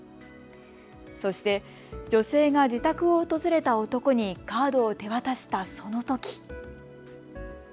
そして女性が自宅を訪れた男にカードを手渡したそのとき。